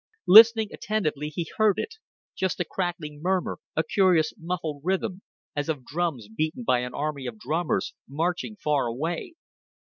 Listening attentively he heard it just a crackling murmur, a curious muffled rhythm, as of drums beaten by an army of drummers marching far away.